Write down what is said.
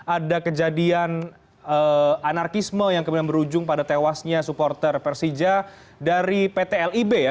ada kejadian anarkisme yang kemudian berujung pada tewasnya supporter persija dari pt lib ya